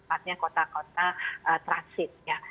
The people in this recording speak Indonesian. artinya kota kota transit ya